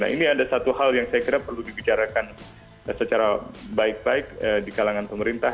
nah ini ada satu hal yang saya kira perlu dibicarakan secara baik baik di kalangan pemerintah